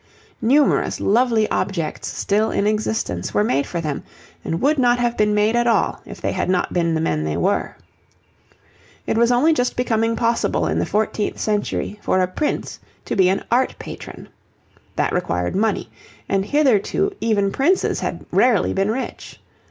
Numerous lovely objects still in existence were made for them, and would not have been made at all if they had not been the men they were. It was only just becoming possible in the fourteenth century for a prince to be an art patron. That required money, and hitherto even princes had rarely been rich.